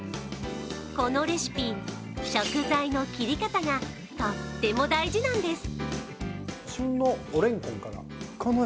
このレシピ、食材の切り方がとっても大事なんです。